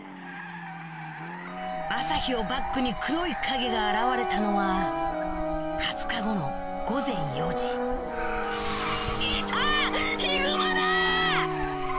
朝日をバックに黒い影が現れたのは２０日後の午前４時ヒグマだ！